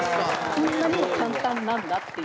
こんなに簡単なんだっていう。